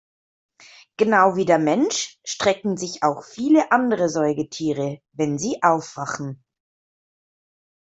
Genau wie der Mensch strecken sich auch viele andere Säugetiere, wenn sie aufwachen.